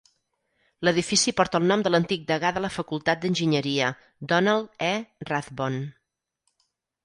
L'edifici porta el nom de l'antic degà de la facultat d'enginyeria, Donald E. Rathbone.